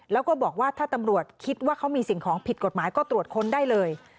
แล้วก็บอกว่าถ้าตำรวจคิดว่าเขามีสิ่งของผิดกฎหมายก็ตรวจค้นได้เลย